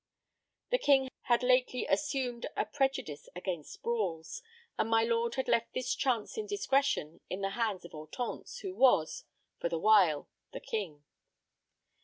The King had lately assumed a prejudice against brawls, and my lord had left this chance indiscretion in the hands of Hortense, who was—for the while—the King.